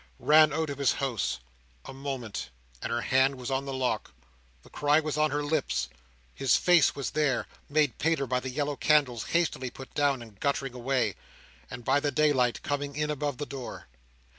Ran out of his house. A moment, and her hand was on the lock, the cry was on her lips, his face was there, made paler by the yellow candles hastily put down and guttering away, and by the daylight coming in above the door.